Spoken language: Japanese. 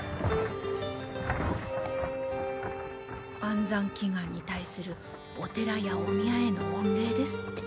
安産祈願に対するお寺やお宮への御礼ですって。